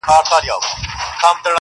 په ځنګله کي د ځنګله قانون چلېږي.!